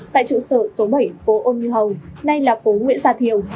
tại trụ sở số bảy phố ôn như hồng nay là phố nguyễn gia thiều